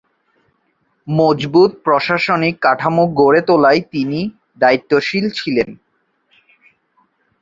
মজবুত প্রশাসনিক কাঠামো গড়ে তোলায় তিনি দায়িত্বশীল ছিলেন।